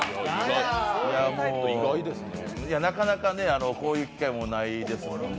なかなかこういう機会もないですので。